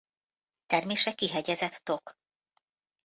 Termése kihegyezett tok.